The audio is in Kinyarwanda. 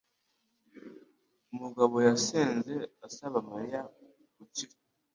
mugabo yasenze asaba Mariya gukira